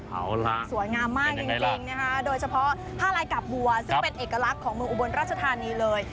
เอาล่ะสวยงามมากจริงนะคะโดยเฉพาะผ้าลายกาบบัวซึ่งเป็นเอกลักษณ์ของเมืองอุบลราชธานีเลย